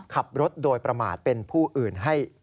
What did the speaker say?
ขับรถโดยประมาทเป็นผู้อื่นให้